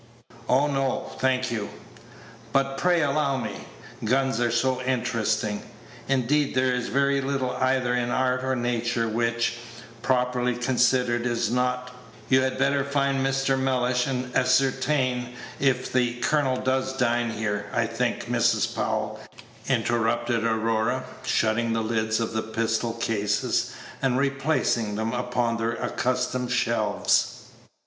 "Oh, no, thank you." "But pray allow me guns are so interesting. Indeed, there is very little either in art or nature which, properly considered, is not " "You had better find Mr. Mellish, and ascertain if the colonel does dine here, I think, Mrs. Powell," interrupted Aurora, shutting the lids of the pistol cases, and replacing them upon their accustomed shelves.